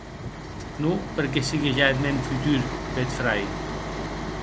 Non per que sigue ja eth mèn futur beau frère.